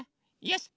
よし！